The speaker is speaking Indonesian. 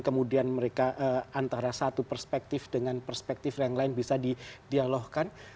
kemudian mereka antara satu perspektif dengan perspektif yang lain bisa didialogkan